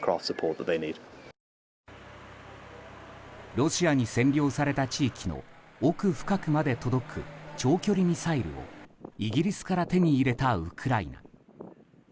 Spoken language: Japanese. ロシアに占領された地域の奥深くまで届く長距離ミサイルをイギリスから手に入れたウクライナ。